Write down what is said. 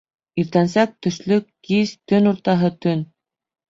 Иртәнсәк, төшлөк, кис, төн уртаһы, төн